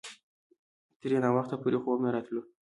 ترې ناوخته پورې خوب نه راتلو.